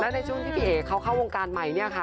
ในช่วงที่พี่เอ๋เขาเข้าวงการใหม่เนี่ยค่ะ